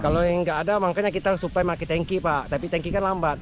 kalau yang nggak ada makanya kita supaya pakai tanki pak tapi tanki kan lambat